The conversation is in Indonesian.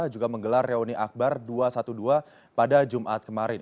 juga menggelar reuni akbar dua ratus dua belas pada jumat kemarin